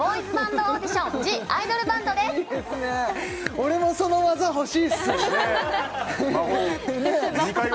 俺もその技ほしいっすね